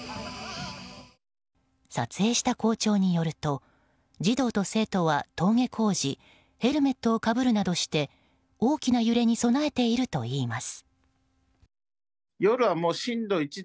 撮影した校長によると児童と生徒は登下校時ヘルメットをかぶるなどして大きな揺れに備えているといいます。